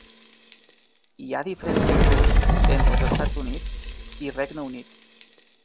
Hi ha diferències d'ús entre els Estats Units i Regne Unit.